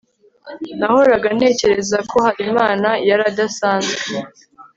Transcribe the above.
nahoraga ntekereza ko habimana yari adasanzwe